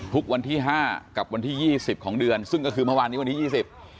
ทุกวันที่๕กับวันที่๒๐ของเดือนซึ่งก็คือเมื่อวานนี้วันที่๒๐